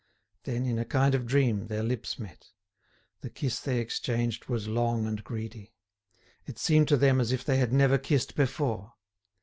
Then, in a kind of dream, their lips met. The kiss they exchanged was long and greedy. It seemed to them as if they had never kissed before.